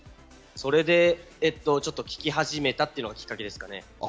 それで聴き始めたっていうのがきっかけですかね。